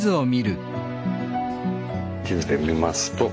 地図で見ますと。